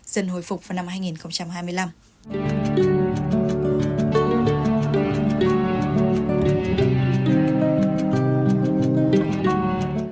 dần hồi phục vào năm hai nghìn hai mươi năm